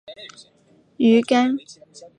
鱼干女嫁唐御侮校尉杜守。